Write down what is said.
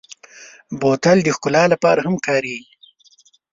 بوتل د ښکلا لپاره هم کارېږي.